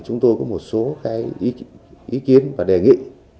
chúng tôi có một số ý kiến và đề nghị